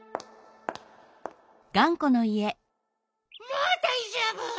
もうだいじょうぶ！